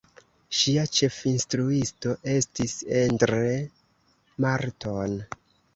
Ŝia ĉefinstruisto estis Endre Marton.